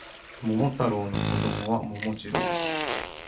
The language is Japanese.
桃太郎の子供は桃次郎